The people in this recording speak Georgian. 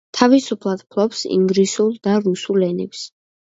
თავისუფლად ფლობს ინგლისურ და რუსულ ენებს.